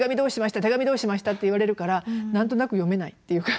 手紙どうしました？」って言われるから何となく読めないっていう感じ。